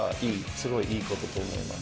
すごいいいことと思います。